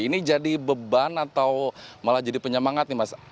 ini jadi beban atau malah jadi penyemangat nih mas